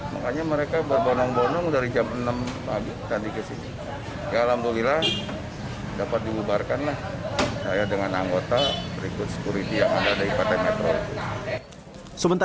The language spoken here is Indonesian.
makanya mereka berbonong bonong dari jam enam pagi tadi ke sini